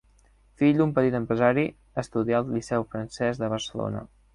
Fill d'un petit empresari, estudià al Liceu francès de Barcelona.